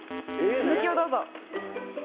続きをどうぞ。